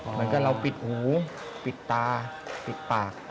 เหมือนกับเราปิดหูปิดตาปิดปาก